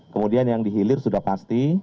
kemudian yang dihilir sudah pasti